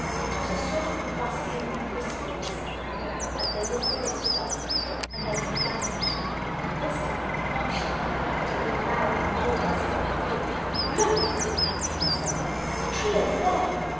It was a sort of rustling, whispering sound. As they listened it stopped, and then it began again. And this time it did not stop, but it grew louder and more rustling and rumbling. "Look" cried Peter, suddenly "the tree over there!"